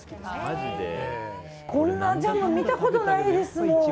こんなジャム見たことないですもん。